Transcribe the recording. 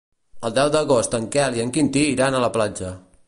El deu d'agost en Quel i en Quintí iran a la platja.